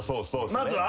まずは？